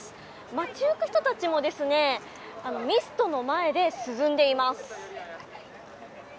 町行く人たちもミストの前で涼んでいます。